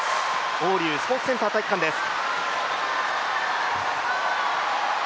黄龍スポーツセンター体育館です。